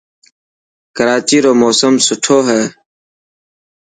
ڪراچي رو موسم سٺو هي.